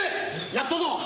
やったぞ。